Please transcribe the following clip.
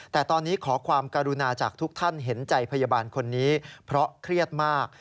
แต่ตอนนี้ขอความกรุณาจากทุกท่านเห็นใจพยาบาลคนนี้เพราะเครียดมาก